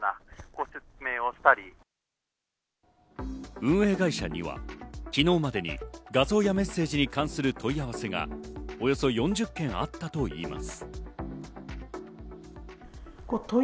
運営会社には昨日までに画像やメッセージに関する問い合わせがおよそ４０件あったといいます。